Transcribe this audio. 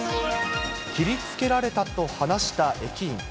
切りつけられたと話した駅員。